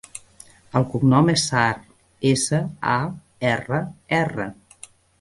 El cognom és Sarr: essa, a, erra, erra.